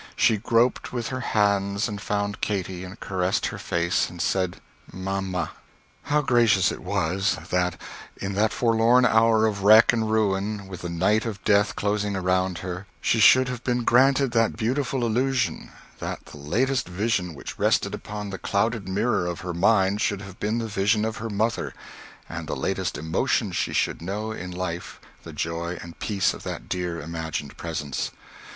She groped with her hands and found Katy, and caressed her face, and said "Mamma." How gracious it was that, in that forlorn hour of wreck and ruin, with the night of death closing around her, she should have been granted that beautiful illusion that the latest vision which rested upon the clouded mirror of her mind should have been the vision of her mother, and the latest emotion she should know in life the joy and peace of that dear imagined presence.